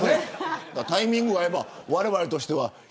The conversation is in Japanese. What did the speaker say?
タイミングはわれわれとしては。